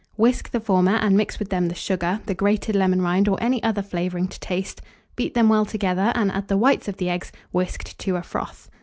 Whisk the former, and mix with them the sugar, the grated lemon rind, or any other flavouring to taste; beat them well together, and add the whites of the eggs, whisked to a froth.